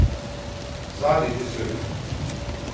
Sadece söyle.